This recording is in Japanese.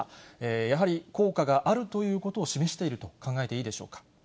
やはり効果があるということを示していると考えていいでしょうか。